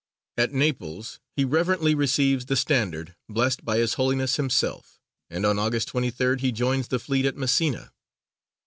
At Naples he reverently receives the standard blessed by his Holiness himself, and on August 23rd he joins the fleet at Messina.